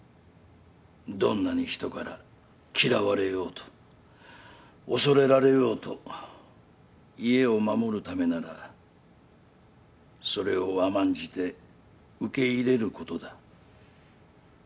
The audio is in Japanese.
どんなに人から嫌われようと恐れられようと家を守るためならそれを甘んじて受け入れることだ。